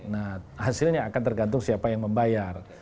nah hasilnya akan tergantung siapa yang membayar